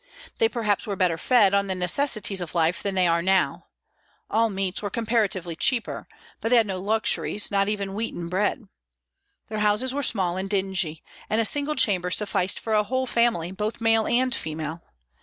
They perhaps were better fed on the necessities of life than they are now. All meats were comparatively cheaper; but they had no luxuries, not even wheaten bread. Their houses were small and dingy, and a single chamber sufficed for a whole family, both male and female.